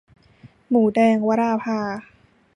หมูแดง - วราภา